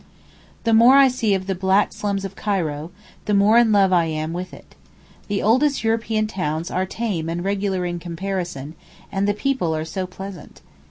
The more I see of the back slums of Cairo, the more in love I am with it. The oldest European towns are tame and regular in comparison, and the people are so pleasant.